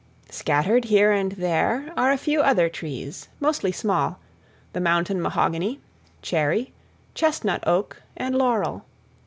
Scattered here and there are a few other trees, mostly small—the mountain mahogany, cherry, chestnut oak, and laurel.